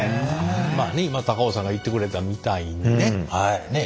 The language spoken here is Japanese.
今高尾さんが言ってくれたみたいにねねえ山田さん。